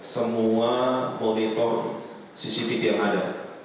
semua monitor cctv yang ada